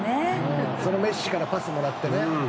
そのメッシからパスもらってね。